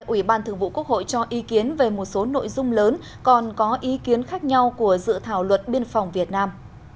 ủy ban thường vụ quốc hội cho ý kiến về một số nội dung lớn còn có ý kiến khác nhau của dự thảo luật biên phòng việt nam